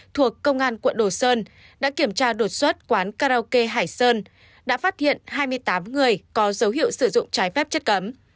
thuộc công an quận đồ sơn đã kiểm tra đột xuất quán karaoke hải sơn đã phát hiện hai mươi tám người có dấu hiệu sử dụng trái phép chất cấm